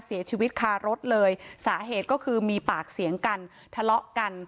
เสียชีวิตคารถเลยสาเหตุก็คือมีปากเสียงกันทะเลาะกัน